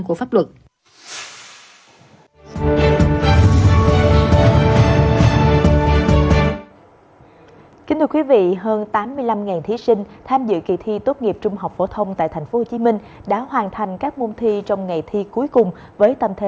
cảm ơn các bạn